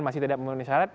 masih tidak memenuhi syarat